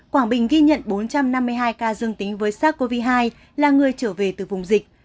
quảng bình ghi nhận bốn trăm năm mươi hai ca dương tính với sars cov hai là người trở về từ vùng dịch